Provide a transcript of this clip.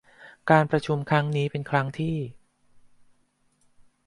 การประชุมครั้งนี้เป็นครั้งที่